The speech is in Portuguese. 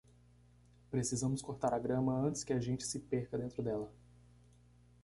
Precisamos cortar a grama antes que a gente se perca dentro dela.